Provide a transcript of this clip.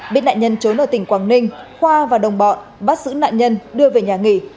biết nạn nhân trốn ở tỉnh quảng ninh khoa và đồng bọn bắt giữ nạn nhân đưa về nhà nghỉ